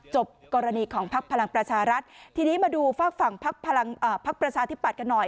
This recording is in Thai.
จบกรณีของพักพลังประชารัฐทีนี้มาดูฝากฝั่งพักพลังพักประชาธิปัตย์กันหน่อย